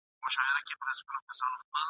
شیخه مستي مي له خُماره سره نه جوړیږي ..